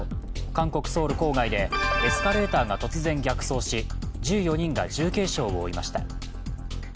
韓国・ソウル郊外でエスカレーターが突然逆走し１４人が重軽傷を負いました。